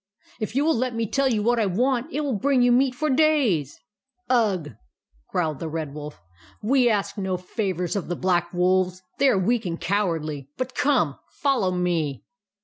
If you will let me tell you what I want, it will bring you meat for many days." " Ugh !" growled the Red Wolf. «• We ask no favours of the Black Wolves. They are weak and cowardly. But come ! Fol low me."